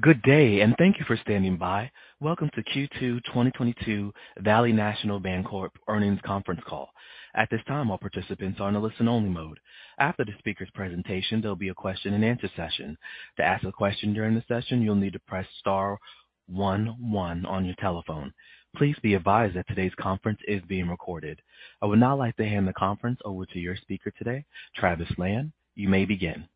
Good day, and thank you for standing by. Welcome to Q2 2022 Valley National Bancorp Earnings Conference Call. At this time, all participants are on a listen only mode. After the speaker's presentation, there'll be a question and answer session. To ask a question during the session, you'll need to press star one one on your telephone. Please be advised that today's conference is being recorded. I would now like to hand the conference over to your speaker today, Travis Lan. You may begin.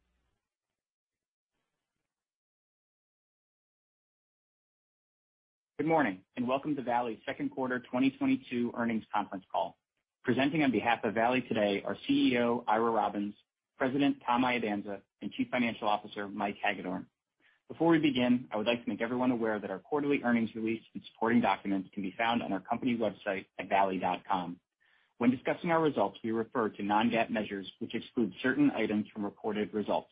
Good morning, and welcome to Valley's second quarter 2022 earnings conference call. Presenting on behalf of Valley today are CEO Ira Robbins, President Tom Iadanza, and Chief Financial Officer Mike Hagedorn. Before we begin, I would like to make everyone aware that our quarterly earnings release and supporting documents can be found on our company website at valley.com. When discussing our results, we refer to non-GAAP measures, which exclude certain items from reported results.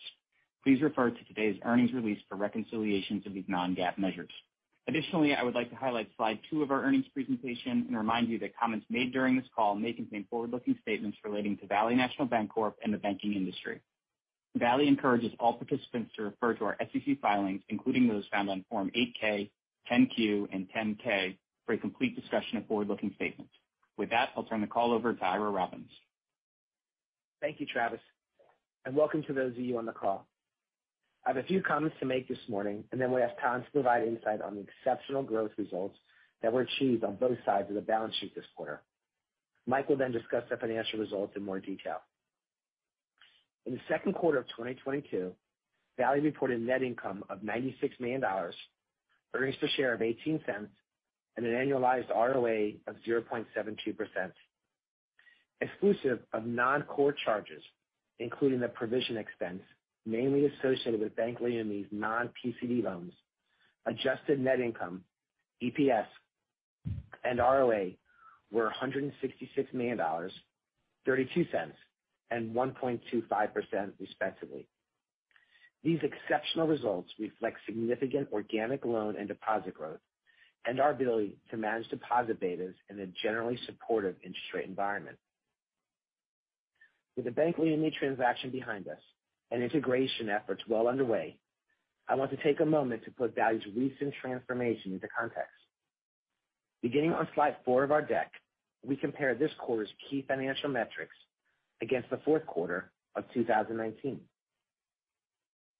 Please refer to today's earnings release for reconciliations of these non-GAAP measures. Additionally, I would like to highlight slide two of our earnings presentation and remind you that comments made during this call may contain forward-looking statements relating to Valley National Bancorp and the banking industry. Valley encourages all participants to refer to our SEC filings, including those found on Form 8-K, 10-Q, and 10-K for a complete discussion of forward-looking statements. With that, I'll turn the call over to Ira Robbins. Thank you, Travis, and welcome to those of you on the call. I have a few comments to make this morning, and then we'll ask Tom to provide insight on the exceptional growth results that were achieved on both sides of the balance sheet this quarter. Mike will then discuss the financial results in more detail. In the second quarter of 2022, Valley reported net income of $96 million, earnings per share of $0.18, and an annualized ROA of 0.72%. Exclusive of non-core charges, including the provision expense, mainly associated with Bank Leumi's non-PCD loans, adjusted net income, EPS, and ROA were $166 million, $0.32 and 1.25% respectively. These exceptional results reflect significant organic loan and deposit growth and our ability to manage deposit betas in a generally supportive interest rate environment. With the Bank Leumi transaction behind us and integration efforts well underway, I want to take a moment to put Valley's recent transformation into context. Beginning on slide four of our deck, we compare this quarter's key financial metrics against the fourth quarter of 2019.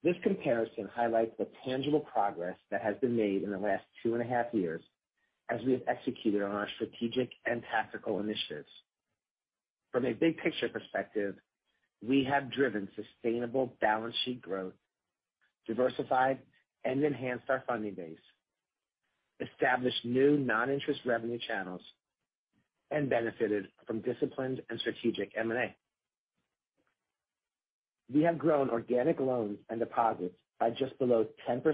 This comparison highlights the tangible progress that has been made in the last two and a half years as we have executed on our strategic and tactical initiatives. From a big picture perspective, we have driven sustainable balance sheet growth, diversified and enhanced our funding base, established new non-interest revenue channels, and benefited from disciplined and strategic M&A. We have grown organic loans and deposits by just below 10%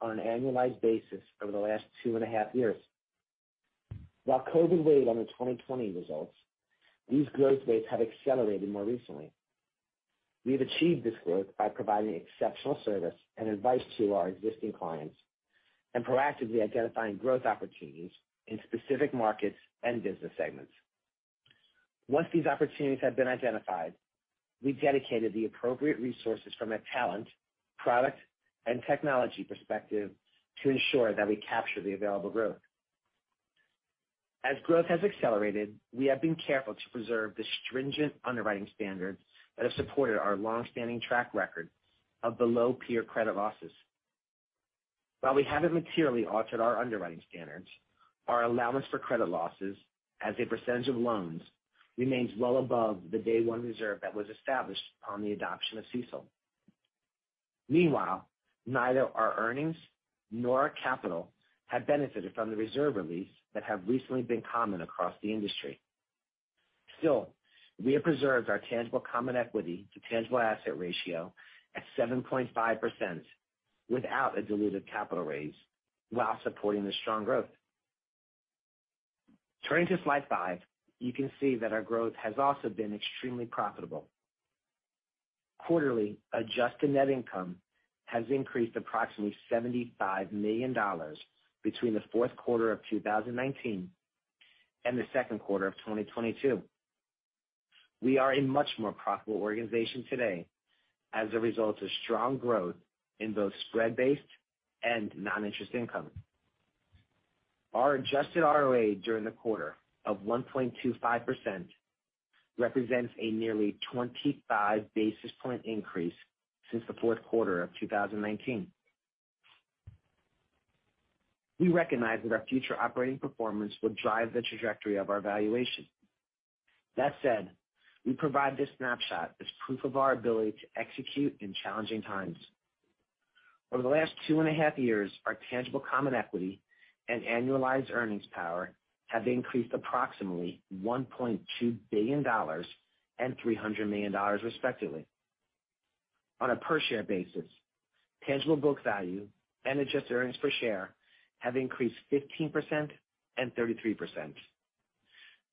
on an annualized basis over the last two and a half years. While COVID weighed on the 2020 results, these growth rates have accelerated more recently. We've achieved this growth by providing exceptional service and advice to our existing clients and proactively identifying growth opportunities in specific markets and business segments. Once these opportunities have been identified, we dedicated the appropriate resources from a talent, product, and technology perspective to ensure that we capture the available growth. As growth has accelerated, we have been careful to preserve the stringent underwriting standards that have supported our long-standing track record of below peer credit losses. While we haven't materially altered our underwriting standards, our allowance for credit losses as a percentage of loans remains well above the day one reserve that was established upon the adoption of CECL. Meanwhile, neither our earnings nor our capital have benefited from the reserve release that have recently been common across the industry. Still, we have preserved our tangible common equity to tangible asset ratio at 7.5% without a diluted capital raise while supporting the strong growth. Turning to slide five, you can see that our growth has also been extremely profitable. Quarterly adjusted net income has increased approximately $75 million between the fourth quarter of 2019 and the second quarter of 2022. We are a much more profitable organization today as a result of strong growth in both spread-based and non-interest income. Our adjusted ROA during the quarter of 1.25% represents a nearly 25 basis points increase since the fourth quarter of 2019. We recognize that our future operating performance will drive the trajectory of our valuation. That said, we provide this snapshot as proof of our ability to execute in challenging times. Over the last two and a half years, our tangible common equity and annualized earnings power have increased approximately $1.2 billion and $300 million, respectively. On a per share basis, tangible book value and adjusted earnings per share have increased 15% and 33%.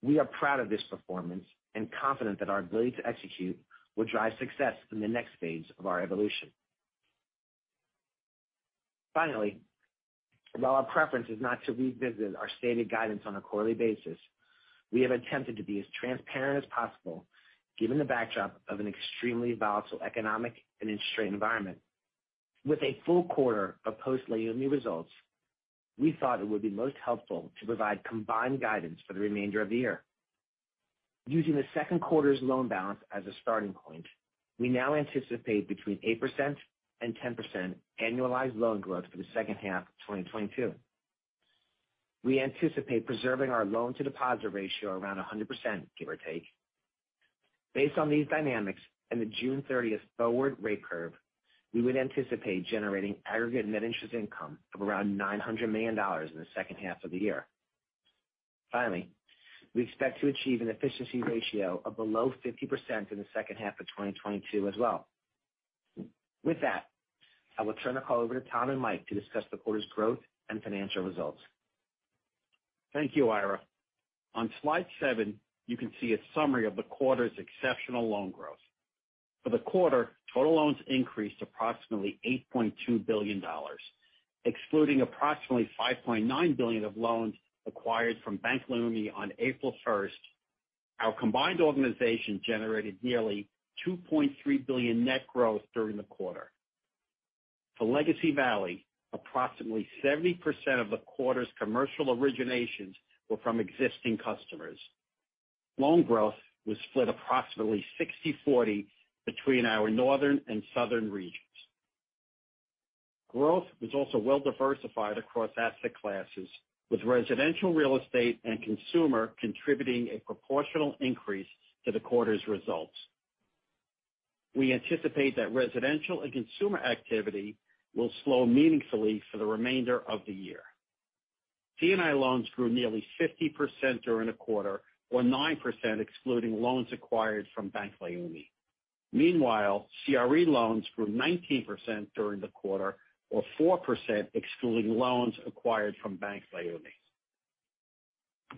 We are proud of this performance and confident that our ability to execute will drive success in the next phase of our evolution. Finally, while our preference is not to revisit our stated guidance on a quarterly basis, we have attempted to be as transparent as possible given the backdrop of an extremely volatile economic and industry environment. With a full quarter of post-Leumi results, we thought it would be most helpful to provide combined guidance for the remainder of the year. Using the second quarter's loan balance as a starting point, we now anticipate between 8% and 10% annualized loan growth for the second half of 2022. We anticipate preserving our loan-to-deposit ratio around 100%, give or take. Based on these dynamics and the June 30 forward rate curve, we would anticipate generating aggregate net interest income of around $900 million in the second half of the year. Finally, we expect to achieve an efficiency ratio of below 50% in the second half of 2022 as well. With that, I will turn the call over to Tom and Mike to discuss the quarter's growth and financial results. Thank you, Ira. On slide seven, you can see a summary of the quarter's exceptional loan growth. For the quarter, total loans increased approximately $8.2 billion. Excluding approximately $5.9 billion of loans acquired from Bank Leumi on April first, our combined organization generated nearly $2.3 billion net growth during the quarter. For legacy Valley, approximately 70% of the quarter's commercial originations were from existing customers. Loan growth was split approximately 60/40 between our northern and southern regions. Growth was also well diversified across asset classes, with residential real estate and consumer contributing a proportional increase to the quarter's results. We anticipate that residential and consumer activity will slow meaningfully for the remainder of the year. C&I loans grew nearly 50% during the quarter, or 9% excluding loans acquired from Bank Leumi. Meanwhile, CRE loans grew 19% during the quarter, or 4% excluding loans acquired from Bank Leumi.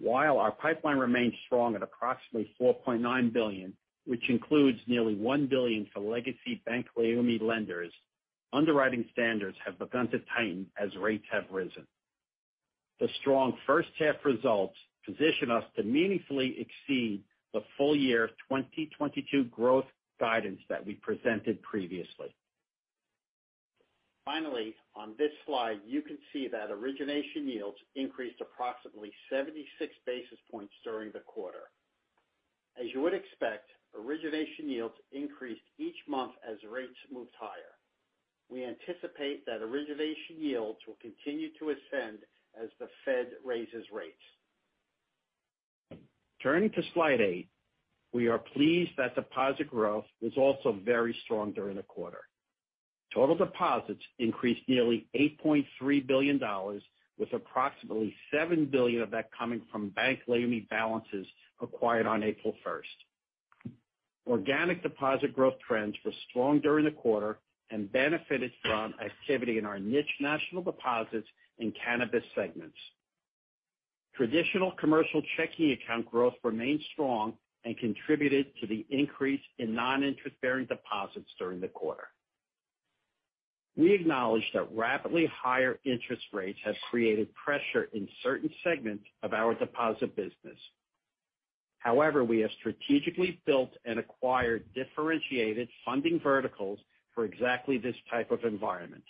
While our pipeline remains strong at approximately $4.9 billion, which includes nearly $1 billion for legacy Bank Leumi lenders, underwriting standards have begun to tighten as rates have risen. The strong first half results position us to meaningfully exceed the full year of 2022 growth guidance that we presented previously. Finally, on this slide, you can see that origination yields increased approximately 76 basis points during the quarter. As you would expect, origination yields increased each month as rates moved higher. We anticipate that origination yields will continue to ascend as the Fed raises rates. Turning to slide eight, we are pleased that deposit growth was also very strong during the quarter. Total deposits increased nearly $8.3 billion, with approximately $7 billion of that coming from Bank Leumi balances acquired on April 1. Organic deposit growth trends were strong during the quarter and benefited from activity in our niche national deposits in cannabis segments. Traditional commercial checking account growth remained strong and contributed to the increase in non-interest-bearing deposits during the quarter. We acknowledge that rapidly higher interest rates have created pressure in certain segments of our deposit business. However, we have strategically built and acquired differentiated funding verticals for exactly this type of environment.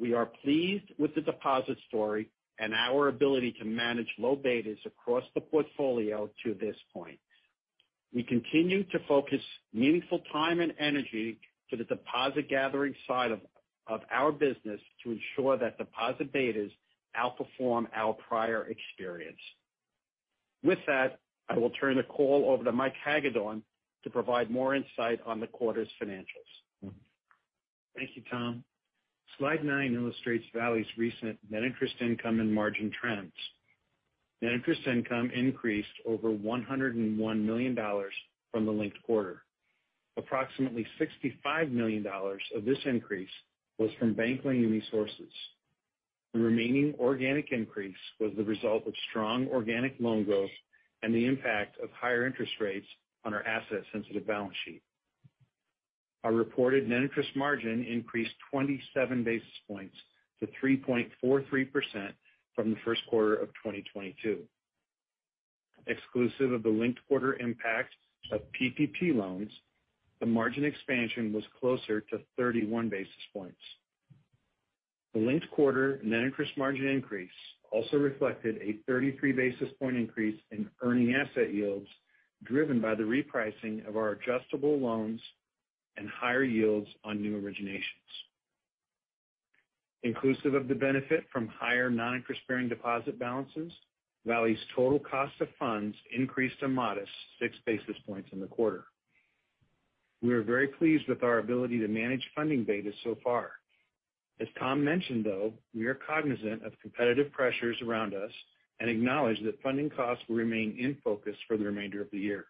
We are pleased with the deposit story and our ability to manage low betas across the portfolio to this point. We continue to focus meaningful time and energy to the deposit gathering side of our business to ensure that deposit betas outperform our prior experience. With that, I will turn the call over to Mike Hagedorn to provide more insight on the quarter's financials. Thank you, Tom. Slide nine illustrates Valley's recent net interest income and margin trends. Net interest income increased over $101 million from the linked quarter. Approximately $65 million of this increase was from Bank Leumi sources. The remaining organic increase was the result of strong organic loan growth and the impact of higher interest rates on our asset-sensitive balance sheet. Our reported net interest margin increased 27 basis points to 3.43% from the first quarter of 2022. Exclusive of the linked quarter impact of PPP loans, the margin expansion was closer to 31 basis points. The linked quarter net interest margin increase also reflected a 33 basis point increase in earning asset yields driven by the repricing of our adjustable loans and higher yields on new originations. Inclusive of the benefit from higher non-interest-bearing deposit balances, Valley's total cost of funds increased a modest six basis points in the quarter. We are very pleased with our ability to manage funding beta so far. As Tom mentioned, though, we are cognizant of competitive pressures around us and acknowledge that funding costs will remain in focus for the remainder of the year.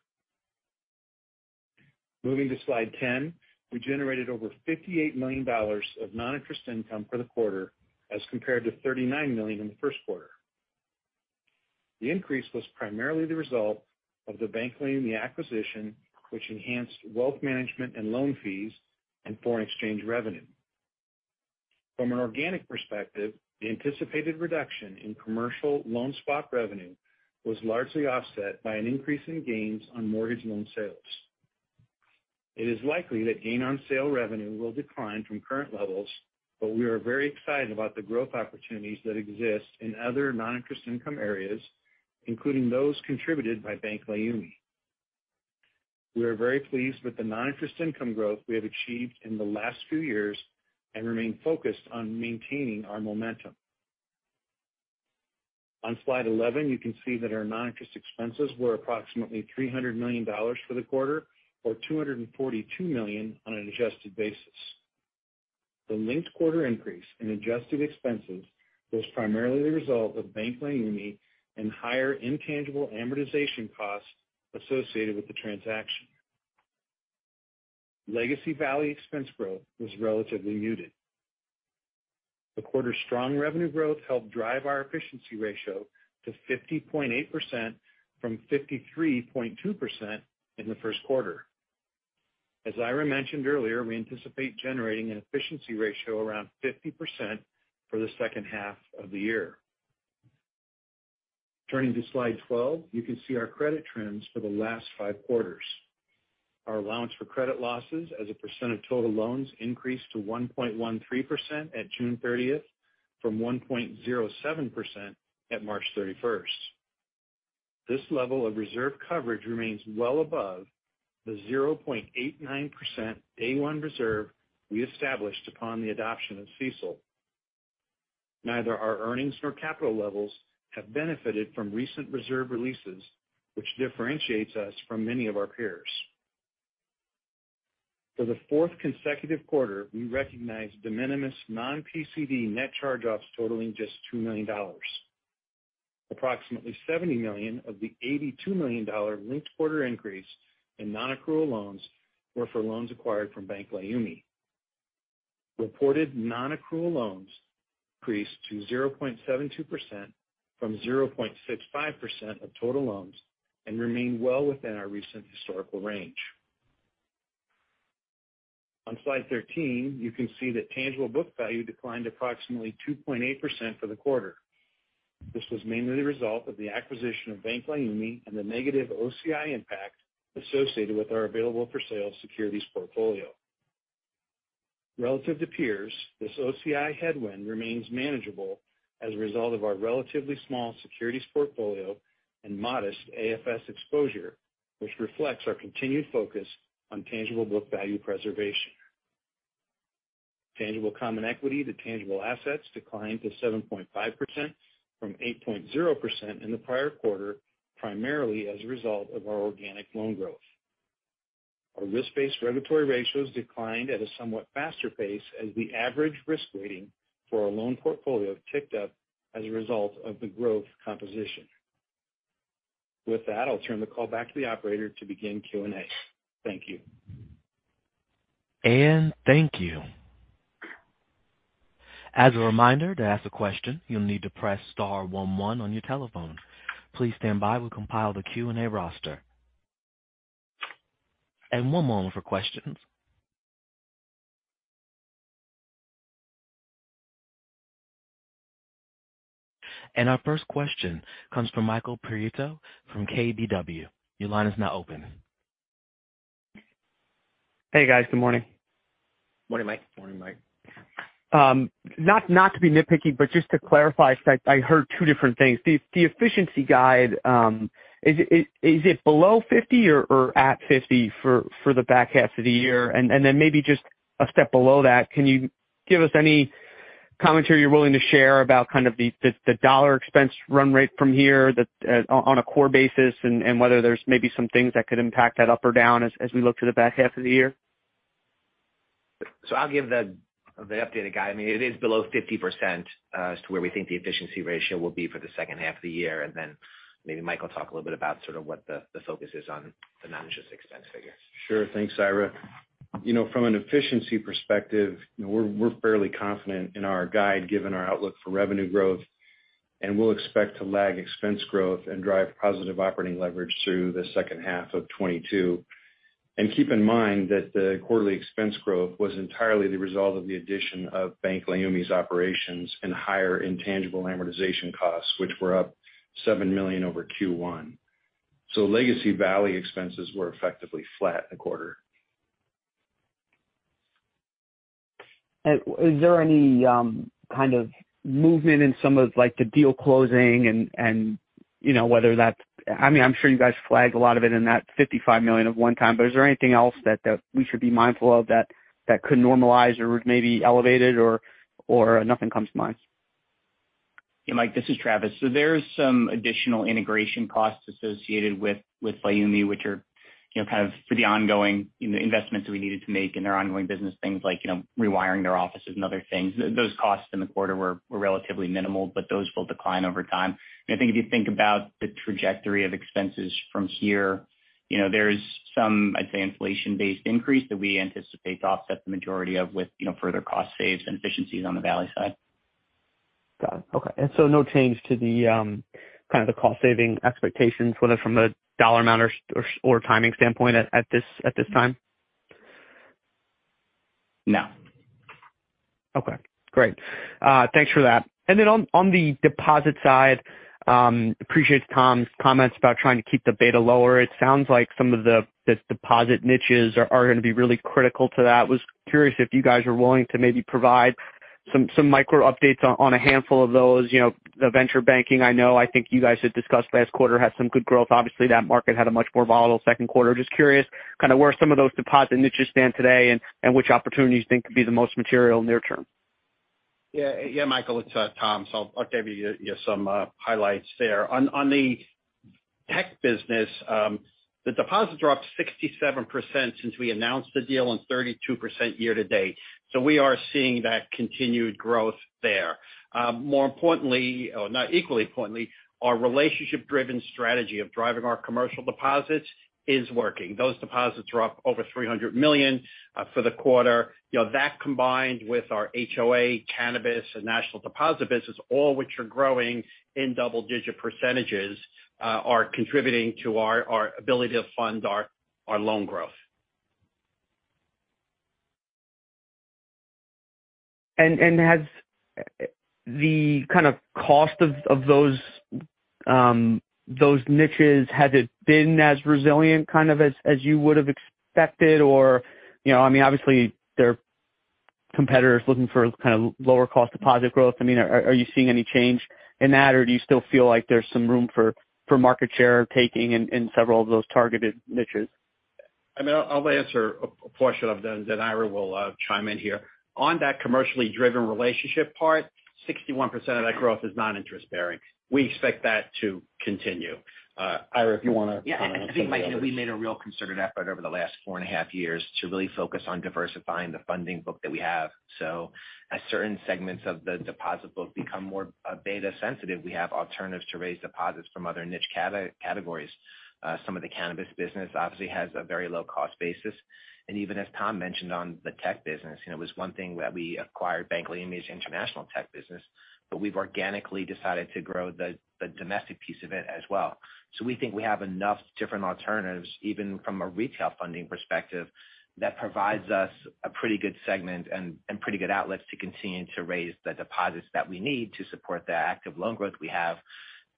Moving to slide 10, we generated over $58 million of non-interest income for the quarter as compared to $39 million in the first quarter. The increase was primarily the result of the Bank Leumi acquisition, which enhanced wealth management and loan fees and foreign exchange revenue. From an organic perspective, the anticipated reduction in commercial loan swap revenue was largely offset by an increase in gains on mortgage loan sales. It is likely that gain on sale revenue will decline from current levels, but we are very excited about the growth opportunities that exist in other non-interest income areas, including those contributed by Bank Leumi. We are very pleased with the non-interest income growth we have achieved in the last few years and remain focused on maintaining our momentum. On slide 11, you can see that our non-interest expenses were approximately $300 million for the quarter, or $242 million on an adjusted basis. The linked quarter increase in adjusted expenses was primarily the result of Bank Leumi and higher intangible amortization costs associated with the transaction. Legacy Valley expense growth was relatively muted. The quarter's strong revenue growth helped drive our efficiency ratio to 50.8% from 53.2% in the first quarter. As Ira mentioned earlier, we anticipate generating an efficiency ratio around 50% for the second half of the year. Turning to slide 12, you can see our credit trends for the last five quarters. Our allowance for credit losses as a percent of total loans increased to 1.13% at June 30 from 1.07% at March 31. This level of reserve coverage remains well above the 0.89% day one reserve we established upon the adoption of CECL. Neither our earnings nor capital levels have benefited from recent reserve releases, which differentiates us from many of our peers. For the fourth consecutive quarter, we recognized de minimis non-PCD net charge-offs totaling just $2 million. Approximately $70 million of the $82 million linked quarter increase in non-accrual loans were for loans acquired from Bank Leumi. Reported non-accrual loans increased to 0.72% from 0.65% of total loans and remain well within our recent historical range. On slide 13, you can see that tangible book value declined approximately 2.8% for the quarter. This was mainly the result of the acquisition of Bank Leumi and the negative OCI impact associated with our available for sale securities portfolio. Relative to peers, this OCI headwind remains manageable as a result of our relatively small securities portfolio and modest AFS exposure, which reflects our continued focus on tangible book value preservation. Tangible common equity to tangible assets declined to 7.5% from 8.0% in the prior quarter, primarily as a result of our organic loan growth. Our risk-based regulatory ratios declined at a somewhat faster pace as the average risk rating for our loan portfolio ticked up as a result of the growth composition. With that, I'll turn the call back to the operator to begin Q&A. Thank you. Thank you. As a reminder, to ask a question, you'll need to press star one one on your telephone. Please stand by. We'll compile the Q&A roster. One moment for questions. Our first question comes from Michael Perito from KBW. Your line is now open. Hey, guys. Good morning. Morning, Mike. Morning, Mike. Not to be nitpicky, but just to clarify, 'cause I heard two different things. The efficiency guide, is it below 50% or at 50% for the back half of the year? Maybe just a step below that, can you give us any commentary you're willing to share about the dollar expense run rate from here that on a core basis, and whether there's maybe some things that could impact that up or down as we look to the back half of the year? I'll give the updated guide. I mean, it is below 50%, as to where we think the efficiency ratio will be for the second half of the year. Maybe Michael talk a little bit about sort of what the focus is on the non-interest expense figure. Sure. Thanks, Ira. You know, from an efficiency perspective, you know, we're fairly confident in our guide given our outlook for revenue growth, and we'll expect to lag expense growth and drive positive operating leverage through the second half of 2022. Keep in mind that the quarterly expense growth was entirely the result of the addition of Bank Leumi's operations and higher intangible amortization costs, which were up $7 million over Q1. Legacy Valley expenses were effectively flat in the quarter. Is there any kind of movement in some of like the deal closing and you know whether that's I mean I'm sure you guys flagged a lot of it in that $55 million of one-time but is there anything else that we should be mindful of that could normalize or maybe elevated or nothing comes to mind? Yeah, Mike, this is Travis. So there's some additional integration costs associated with Leumi which are, you know, kind of for the ongoing, you know, investments that we needed to make in their ongoing business, things like, you know, rewiring their offices and other things. Those costs in the quarter were relatively minimal, but those will decline over time. I think if you think about the trajectory of expenses from here, you know, there's some, I'd say, inflation-based increase that we anticipate to offset the majority of with, you know, further cost saves and efficiencies on the Valley side. Got it. Okay. No change to the kind of cost savings expectations, whether from a dollar amount or timing standpoint at this time? No. Okay, great. Thanks for that. On the deposit side, appreciate Tom's comments about trying to keep the beta lower. It sounds like some of the deposit niches are gonna be really critical to that. Was curious if you guys are willing to maybe provide some micro updates on a handful of those. You know, the venture banking I know, I think you guys had discussed last quarter had some good growth. Obviously, that market had a much more volatile second quarter. Just curious kind of where some of those deposit niches stand today and which opportunities you think could be the most material near term. Yeah. Yeah, Michael, it's Tom. I'll give you some highlights there. On the tech business, the deposits are up 67% since we announced the deal and 32% year to date. We are seeing that continued growth there. More importantly, equally importantly, our relationship-driven strategy of driving our commercial deposits is working. Those deposits are up over $300 million for the quarter. You know, that combined with our HOA, cannabis and national deposit business, all which are growing in double-digit percentages, are contributing to our ability to fund our loan growth. Has the kind of cost of those niches been as resilient kind of as you would have expected? You know, I mean obviously there are competitors looking for kind of lower cost deposit growth. I mean, are you seeing any change in that, or do you still feel like there's some room for market share taking in several of those targeted niches? I mean, I'll answer a portion of it, then Ira will chime in here. On that commercially driven relationship part, 61% of that growth is non-interest bearing. We expect that to continue. Ira, if you wanna comment. Yeah. I think, Michael, we made a real concerted effort over the last four and a half years to really focus on diversifying the funding book that we have. As certain segments of the deposit book become more beta sensitive, we have alternatives to raise deposits from other niche categories. Some of the cannabis business obviously has a very low cost basis. Even as Tom mentioned on the tech business, you know, it was one thing where we acquired Bank Leumi's international tech business, but we've organically decided to grow the domestic piece of it as well. we think we have enough different alternatives, even from a retail funding perspective, that provides us a pretty good segment and pretty good outlets to continue to raise the deposits that we need to support the active loan growth we have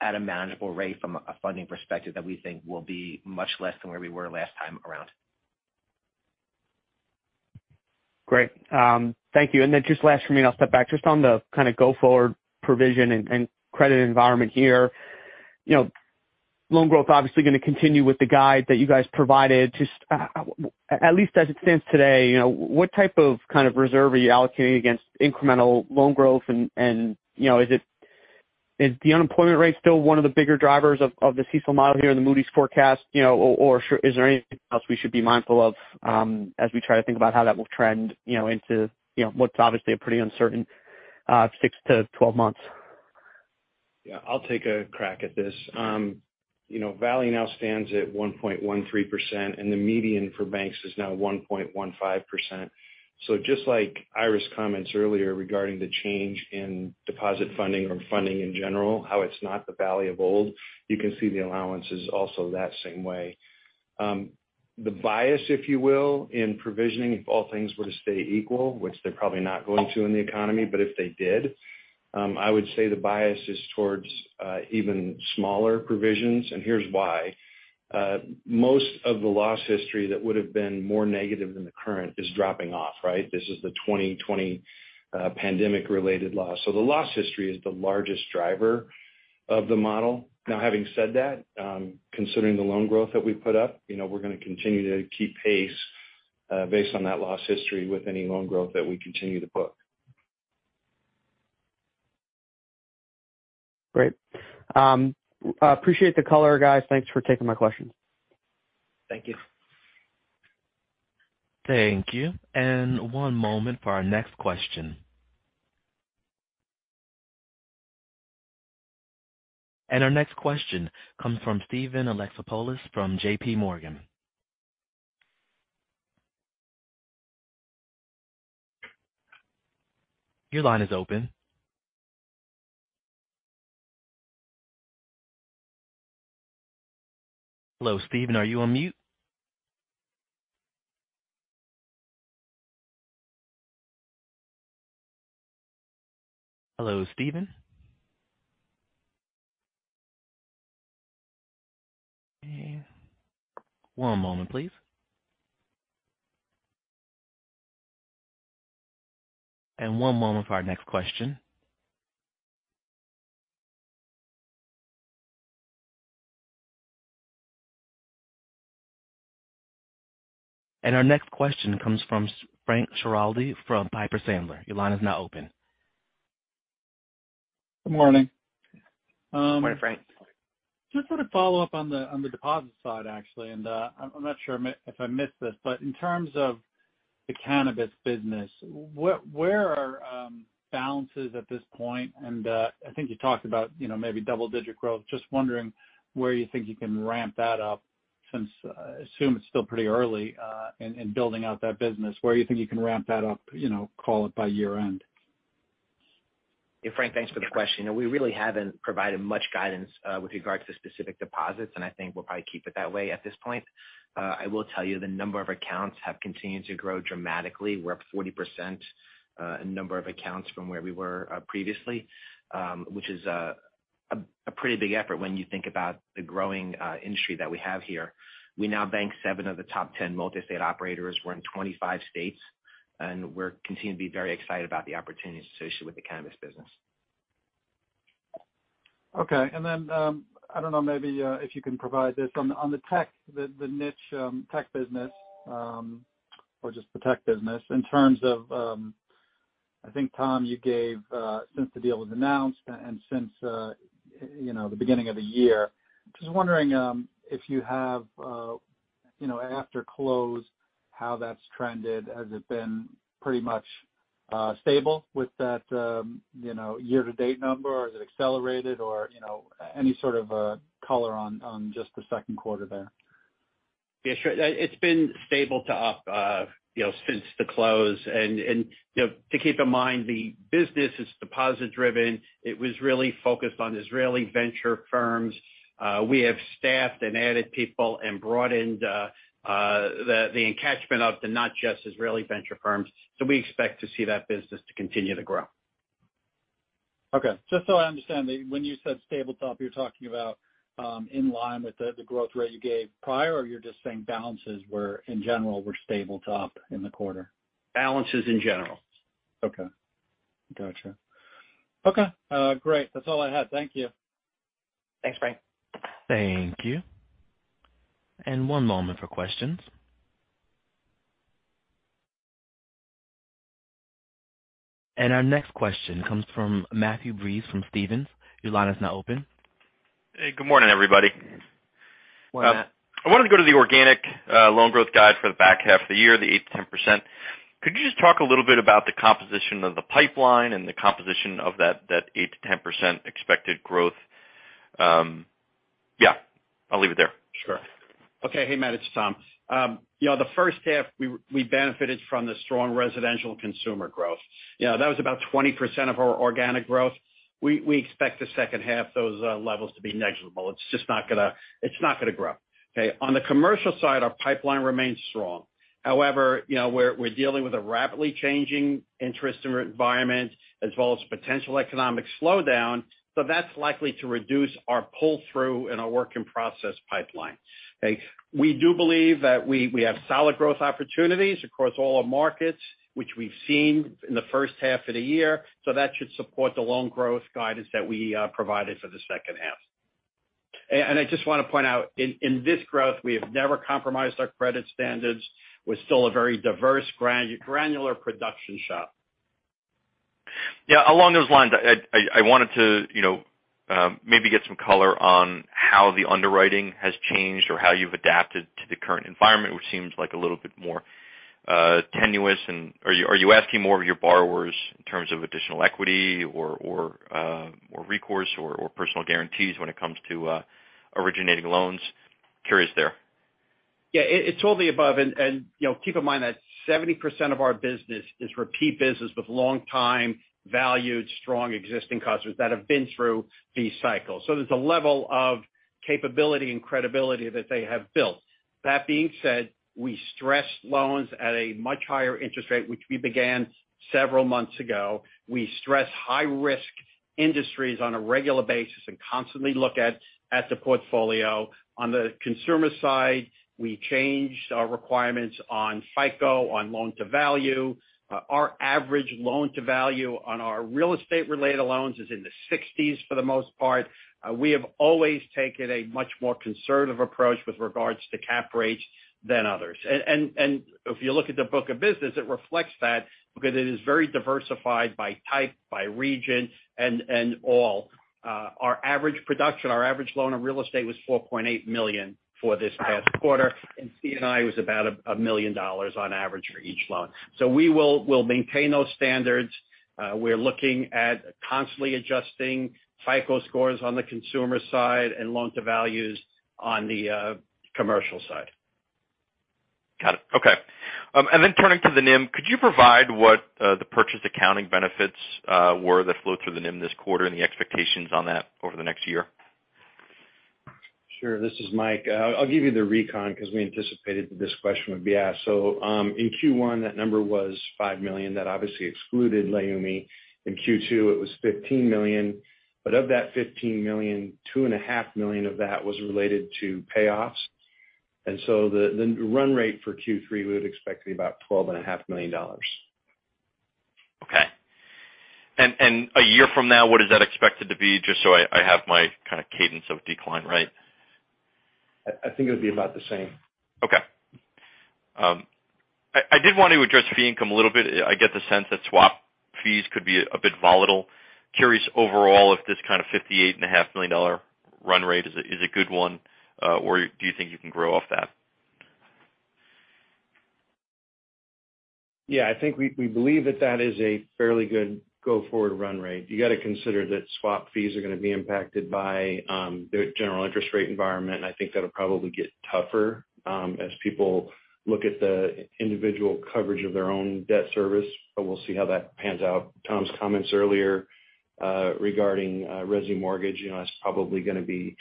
at a manageable rate from a funding perspective that we think will be much less than where we were last time around. Great. Thank you. Just last for me, and I'll step back. Just on the kind of go forward provision and credit environment here. You know, loan growth obviously gonna continue with the guide that you guys provided. Just at least as it stands today, you know, what type of reserve are you allocating against incremental loan growth? You know, is the unemployment rate still one of the bigger drivers of the CECL model here in the Moody's forecast? You know, is there anything else we should be mindful of as we try to think about how that will trend, you know, into what's obviously a pretty uncertain 6-12 months? Yeah, I'll take a crack at this. You know, Valley now stands at 1.13%, and the median for banks is now 1.15%. Just like Ira's comments earlier regarding the change in deposit funding or funding in general, how it's not the Valley of old, you can see the allowance is also that same way. The bias, if you will, in provisioning if all things were to stay equal, which they're probably not going to in the economy, but if they did, I would say the bias is towards even smaller provisions. Here's why. Most of the loss history that would have been more negative than the current is dropping off, right? This is the 2020 pandemic related loss. So the loss history is the largest driver of the model. Now having said that, considering the loan growth that we put up, you know we're gonna continue to keep pace, based on that loss history with any loan growth that we continue to book. Great. Appreciate the color, guys. Thanks for taking my questions. Thank you. Thank you. One moment for our next question. Our next question comes from Steven Alexopoulos from JPMorgan. Your line is open. Hello, Steven, are you on mute? Hello, Steven? One moment, please. One moment for our next question. Our next question comes from Frank Schiraldi from Piper Sandler. Your line is now open. Good morning. Morning, Frank. Just want to follow up on the deposit side, actually. I'm not sure if I missed this, but in terms of the cannabis business, where are balances at this point? I think you talked about, you know, maybe double digit growth. Just wondering where you think you can ramp that up. Since I assume it's still pretty early in building out that business. Where you think you can ramp that up, you know, call it by year-end? Yeah, Frank, thanks for the question. You know, we really haven't provided much guidance with regards to specific deposits, and I think we'll probably keep it that way at this point. I will tell you the number of accounts have continued to grow dramatically. We're up 40% number of accounts from where we were previously, which is a pretty big effort when you think about the growing industry that we have here. We now bank seven of the top 10 multi-state operators. We're in 25 states, and we're continuing to be very excited about the opportunities associated with the cannabis business. Okay. I don't know, maybe if you can provide this. On the tech niche tech business or just the tech business in terms of, I think, Tom, you gave since the deal was announced and since you know the beginning of the year. Just wondering if you have you know after close how that's trended. Has it been pretty much stable with that you know year-to-date number, or has it accelerated or you know any sort of color on just the second quarter there? Yeah, sure. It's been stable to up, you know, since the close. You know, to keep in mind, the business is deposit-driven. It was really focused on Israeli venture firms. We have staffed and added people and broadened, the catchment of the not just Israeli venture firms. We expect to see that business to continue to grow. Okay. Just so I understand, when you said stable to up, you're talking about, in line with the growth rate you gave prior, or you're just saying balances were, in general, stable to up in the quarter? Balances in general. Okay. Gotcha. Okay, great. That's all I had. Thank you. Thanks, Frank. Thank you. One moment for questions. Our next question comes from Matthew Breese from Stephens. Your line is now open. Hey, good morning, everybody. Morning, Matt. I wanted to go to the organic loan growth guide for the back half of the year, the 8%-10%. Could you just talk a little bit about the composition of the pipeline and the composition of that eight to ten percent expected growth? Yeah, I'll leave it there. Sure. Okay. Hey, Matt, it's Tom. You know, the first half we benefited from the strong residential consumer growth. You know, that was about 20% of our organic growth. We expect the second half those levels to be negligible. It's just not gonna grow. Okay, on the commercial side, our pipeline remains strong. However, you know, we're dealing with a rapidly changing interest rate environment as well as potential economic slowdown, so that's likely to reduce our pull-through and our work in process pipeline. Okay, we do believe that we have solid growth opportunities across all our markets, which we've seen in the first half of the year, so that should support the loan growth guidance that we provided for the second half. I just wanna point out, in this growth, we have never compromised our credit standards. We're still a very diverse granular production shop. Yeah. Along those lines, I wanted to, you know, maybe get some color on how the underwriting has changed or how you've adapted to the current environment, which seems like a little bit more tenuous. Are you asking more of your borrowers in terms of additional equity or more recourse or personal guarantees when it comes to originating loans? Curious there. Yeah. It's all the above. You know, keep in mind that 70% of our business is repeat business with long-time, valued, strong existing customers that have been through these cycles. There's a level of capability and credibility that they have built. That being said, we stress loans at a much higher interest rate, which we began several months ago. We stress high-risk industries on a regular basis and constantly look at the portfolio. On the consumer side, we changed our requirements on FICO, on loan-to-value. Our average loan-to-value on our real estate-related loans is in the 60s for the most part. We have always taken a much more conservative approach with regards to cap rates than others. If you look at the book of business, it reflects that because it is very diversified by type, by region, and all. Our average production, our average loan on real estate was $4.8 million for this past quarter, and C&I was about $1 million on average for each loan. We'll maintain those standards. We're looking at constantly adjusting FICO scores on the consumer side and loan-to-values on the commercial side. Got it. Okay. Turning to the NIM, could you provide what the purchase accounting benefits were that flowed through the NIM this quarter and the expectations on that over the next year? Sure. This is Mike. I'll give you the recon because we anticipated that this question would be asked. In Q1, that number was $5 million. That obviously excluded Leumi. In Q2, it was $15 million. Of that $15 million, $2.5 million of that was related to payoffs. The run rate for Q3 we would expect to be about $12.5 million. Okay. A year from now, what is that expected to be? Just so I have my kinda cadence of decline right? I think it would be about the same. Okay. I did want to address fee income a little bit. I get the sense that swap fees could be a bit volatile. Curious overall if this kind of $58.5 million run rate is a good one, or do you think you can grow off that? Yeah, I think we believe that is a fairly good go forward run rate. You gotta consider that swap fees are gonna be impacted by the general interest rate environment, and I think that'll probably get tougher as people look at the individual coverage of their own debt service. We'll see how that pans out. Tom's comments earlier regarding resi mortgage, you know, that's probably gonna be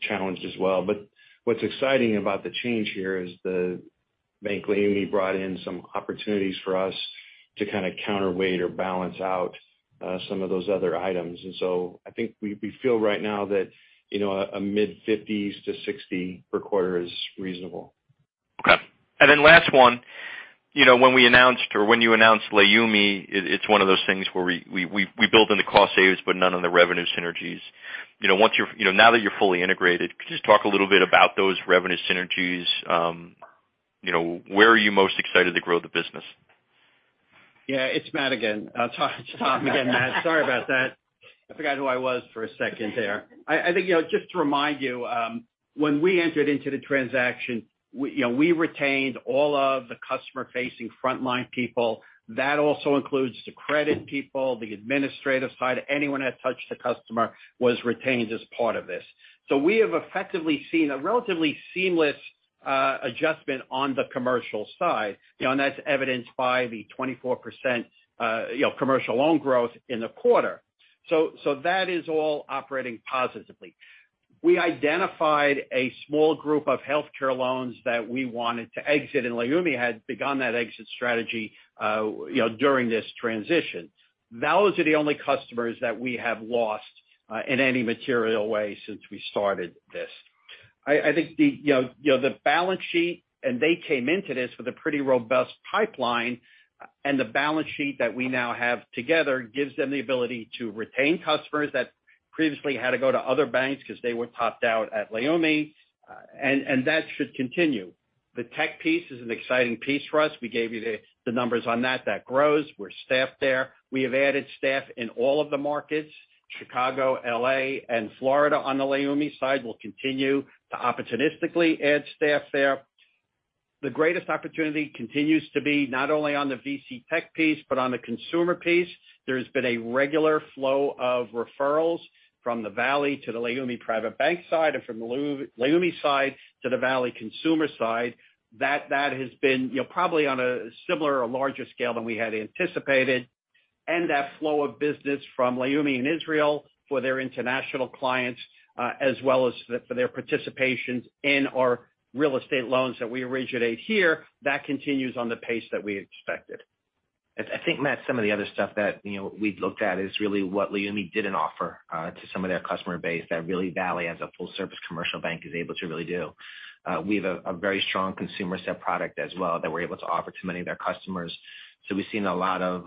challenged as well. What's exciting about the change here is the Bank Leumi brought in some opportunities for us to kinda counterweight or balance out some of those other items. I think we feel right now that, you know, a mid-50s to 60 per quarter is reasonable. Okay. Last one. You know, when we announced or when you announced Leumi, it's one of those things where we build in the cost savings but none of the revenue synergies. You know, now that you're fully integrated, could you just talk a little bit about those revenue synergies? You know, where are you most excited to grow the business? Yeah, it's Matt again. It's Tom again, Matt. Sorry about that. I forgot who I was for a second there. I think, you know, just to remind you, when we entered into the transaction, we, you know, we retained all of the customer-facing frontline people. That also includes the credit people, the administrative side. Anyone that touched the customer was retained as part of this. We have effectively seen a relatively seamless adjustment on the commercial side, you know, and that's evidenced by the 24% commercial loan growth in the quarter. That is all operating positively. We identified a small group of healthcare loans that we wanted to exit, and Leumi had begun that exit strategy during this transition. Those are the only customers that we have lost in any material way since we started this. I think you know the balance sheet and they came into this with a pretty robust pipeline. The balance sheet that we now have together gives them the ability to retain customers that previously had to go to other banks because they were topped out at Leumi. That should continue. The tech piece is an exciting piece for us. We gave you the numbers on that. That grows. We're staffed there. We have added staff in all of the markets, Chicago, L.A., and Florida on the Leumi side. We'll continue to opportunistically add staff there. The greatest opportunity continues to be not only on the VC tech piece, but on the consumer piece. There's been a regular flow of referrals from the Valley to the Leumi Private Bank side and from the Leumi side to the Valley consumer side. That has been, you know, probably on a similar or larger scale than we had anticipated. That flow of business from Leumi in Israel for their international clients, as well as for their participation in our real estate loans that we originate here, that continues on the pace that we expected. I think, Matt, some of the other stuff that, you know, we've looked at is really what Leumi didn't offer to some of their customer base that really Valley as a full-service commercial bank is able to really do. We have a very strong consumer set product as well that we're able to offer to many of their customers. So we've seen a lot of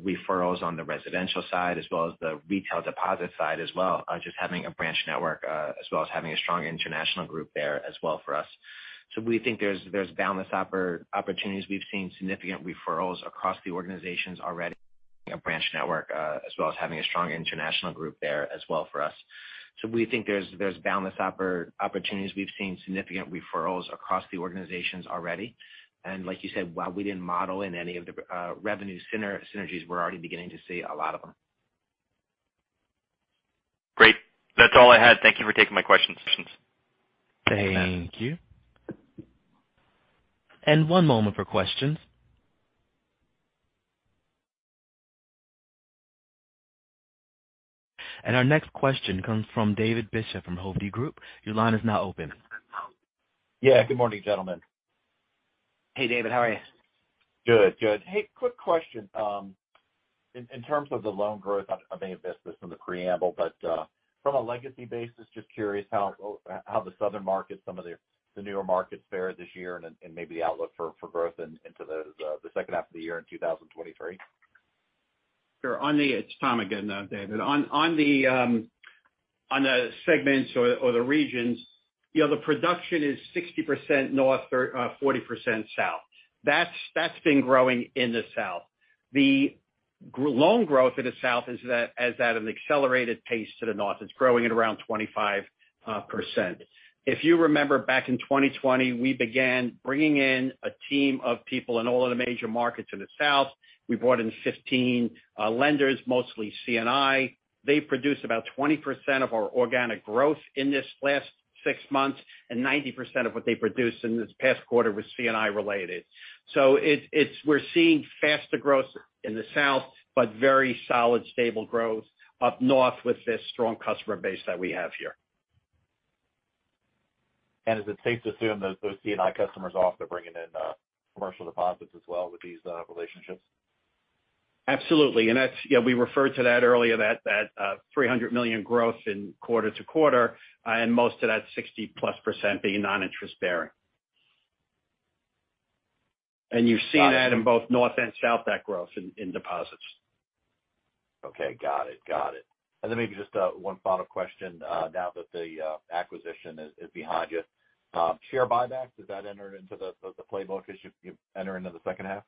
referrals on the residential side as well as the retail deposit side as well, just having a branch network as well as having a strong international group there as well for us. So we think there's boundless opportunities. We've seen significant referrals across the organizations already. A branch network as well as having a strong international group there as well for us. So we think there's boundless opportunities. We've seen significant referrals across the organizations already. Like you said, while we didn't model in any of the revenue synergies, we're already beginning to see a lot of them. Great. That's all I had. Thank you for taking my questions. Thank you. One moment for questions. Our next question comes from David Bishop from Hovde Group. Your line is now open. Yeah. Good morning, gentlemen. Hey, David. How are you? Good. Good. Hey, quick question. In terms of the loan growth, I may have missed this in the preamble, but from a legacy basis, just curious how the Southern markets, some of the newer markets fared this year and maybe the outlook for growth into the second half of the year in 2023. Sure. It's Tom again, David. On the segments or the regions, you know, the production is 60% North, 40% South. That's been growing in the South. The loan growth in the South is at an accelerated pace to the North. It's growing at around 25%. If you remember back in 2020, we began bringing in a team of people in all of the major markets in the South. We brought in 15 lenders, mostly C&I. They produce about 20% of our organic growth in this last six months, and 90% of what they produced in this past quarter was C&I related. We're seeing faster growth in the South, but very solid, stable growth up North with this strong customer base that we have here. Is it safe to assume those C&I customers also are bringing in commercial deposits as well with these relationships? Absolutely. That's, you know, we referred to that earlier, that three hundred million growth quarter-to-quarter, and most of that 60%+ being non-interest bearing. You've seen that in both North and South, that growth in deposits. Okay. Got it. Maybe just one final question, now that the acquisition is behind you. Share buybacks, does that enter into the playbook as you enter into the second half?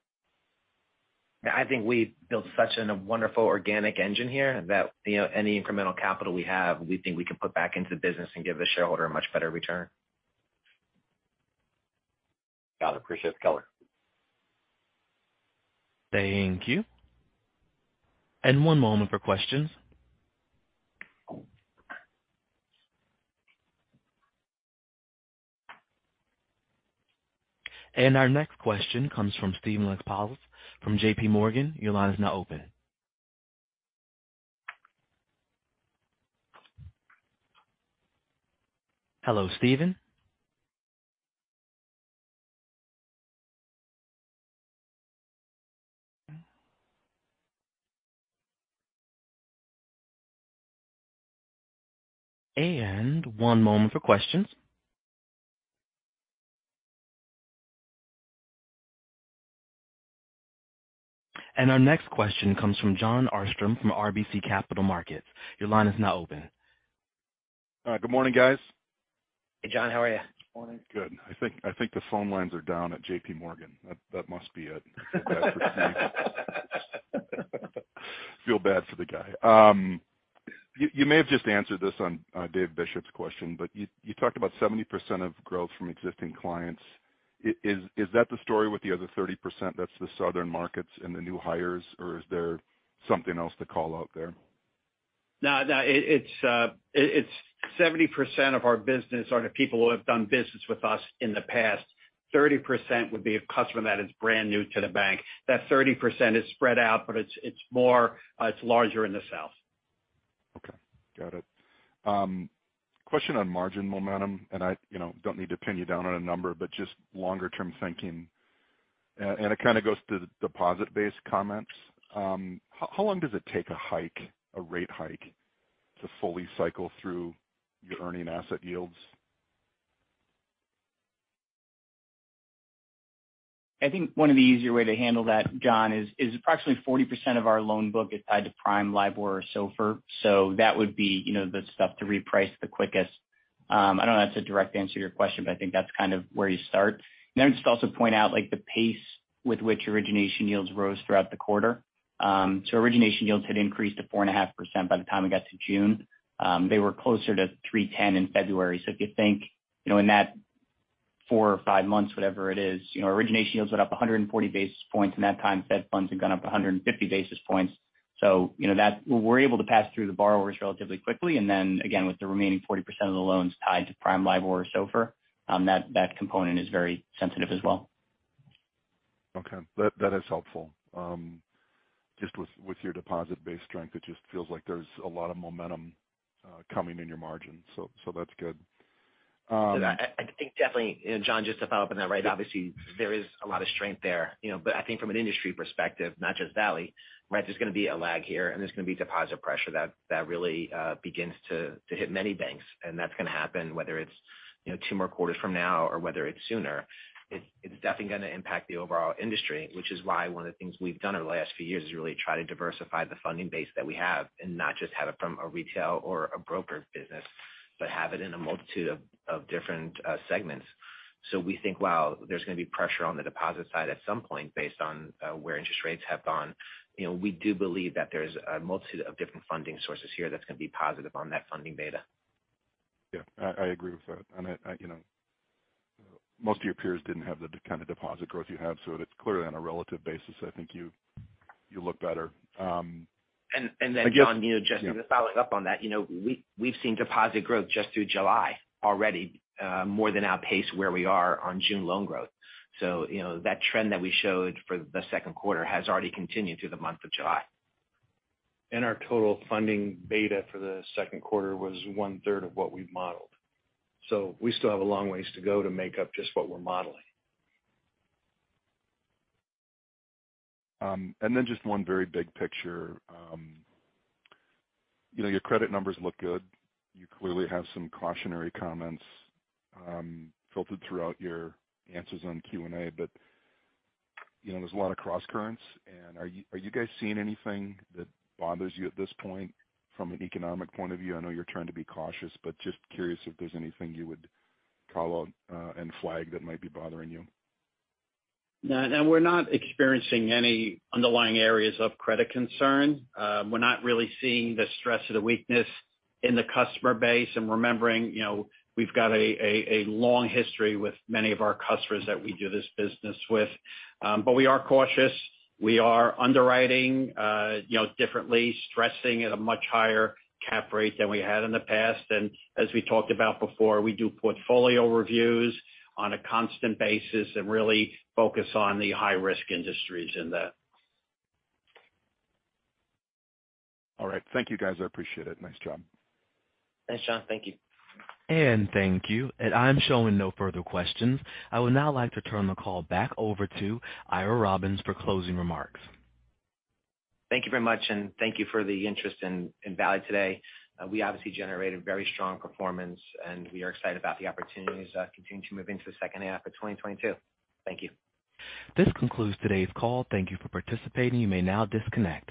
I think we've built such a wonderful organic engine here that, you know, any incremental capital we have, we think we can put back into the business and give the shareholder a much better return. Got it. Appreciate the color. Thank you. One moment for questions. Our next question comes from Steven Alexopoulos from JPMorgan. Your line is now open. Hello, Steven. One moment for questions. Our next question comes from Jon Arfstrom from RBC Capital Markets. Your line is now open. Good morning, guys. Hey, John. How are you? Morning. Good. I think the phone lines are down at JPMorgan. That must be it. Feel bad for the guy. You may have just answered this on David Bishop's question, but you talked about 70% of growth from existing clients. Is that the story with the other 30% that's the southern markets and the new hires, or is there something else to call out there? No, it's 70% of our business are the people who have done business with us in the past. 30% would be a customer that is brand new to the bank. That 30% is spread out, but it's larger in the South. Okay. Got it. Question on margin momentum, and I, you know, don't need to pin you down on a number, but just longer term thinking. It kind of goes to the deposit-based comments. How long does it take a hike, a rate hike, to fully cycle through your earning asset yields? I think one of the easier way to handle that, Jon, is approximately 40% of our loan book is tied to Prime, LIBOR, or SOFR. That would be, you know, the stuff to reprice the quickest. I know that's a direct answer to your question, but I think that's kind of where you start. Then just to also point out like the pace with which origination yields rose throughout the quarter. Origination yields had increased to 4.5% by the time it got to June. They were closer to 3.10% in February. If you think, you know, in that 4 or 5 months, whatever it is, you know, origination yields went up 140 basis points in that time. Fed funds had gone up 150 basis points. You know, that. We're able to pass through the borrowers relatively quickly, and then again with the remaining 40% of the loans tied to Prime, LIBOR or SOFR, that component is very sensitive as well. Okay, that is helpful. Just with your deposit-based strength, it just feels like there's a lot of momentum coming in your margin. That's good. I think definitely, and Jon, just to follow up on that, right? Obviously, there is a lot of strength there, you know. I think from an industry perspective, not just Valley, right? There's gonna be a lag here and there's gonna be deposit pressure that really begins to hit many banks. That's gonna happen whether it's, you know, two more quarters from now or whether it's sooner. It's definitely gonna impact the overall industry. Which is why one of the things we've done over the last few years is really try to diversify the funding base that we have and not just have it from a retail or a broker business, but have it in a multitude of different segments. We think while there's gonna be pressure on the deposit side at some point based on where interest rates have gone, you know, we do believe that there's a multitude of different funding sources here that's gonna be positive on that funding data. Yeah, I agree with that. I, you know, most of your peers didn't have the kind of deposit growth you have, so it's clearly on a relative basis. I think you look better. I guess. Jon, you know, just following up on that, you know, we've seen deposit growth just through July already, more than outpace where we are on June loan growth. You know, that trend that we showed for the second quarter has already continued through the month of July. Our total funding beta for the second quarter was one-third of what we've modeled. We still have a long ways to go to make up just what we're modeling. Then just one very big picture. You know, your credit numbers look good. You clearly have some cautionary comments filtered throughout your answers on the Q&A, but you know, there's a lot of crosscurrents. Are you guys seeing anything that bothers you at this point from an economic point of view? I know you're trying to be cautious, but just curious if there's anything you would call out and flag that might be bothering you. No, no, we're not experiencing any underlying areas of credit concern. We're not really seeing the stress or the weakness in the customer base and remembering, you know, we've got a long history with many of our customers that we do this business with. But we are cautious. We are underwriting, you know, differently, stressing at a much higher cap rate than we had in the past. As we talked about before, we do portfolio reviews on a constant basis and really focus on the high-risk industries in that. All right. Thank you, guys. I appreciate it. Nice job. Thanks, Jon. Thank you. Thank you. I'm showing no further questions. I would now like to turn the call back over to Ira Robbins for closing remarks. Thank you very much, and thank you for the interest in Valley today. We obviously generated very strong performance, and we are excited about the opportunities that continue to move into the second half of 2022. Thank you. This concludes today's call. Thank you for participating. You may now disconnect.